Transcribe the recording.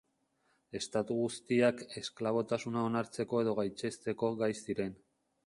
Estatu guztiak esklabotasuna onartzeko edo gaitzesteko gai ziren.